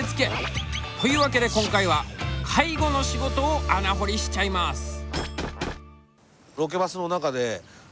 というわけで今回は介護の仕事を穴掘りしちゃいます。え！？